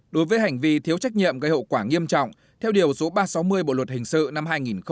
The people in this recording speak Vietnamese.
đối với hành vi thiếu trách nhiệm gây hậu quả nghiêm trọng theo điều số ba trăm sáu mươi bộ luật hình sự năm hai nghìn một mươi năm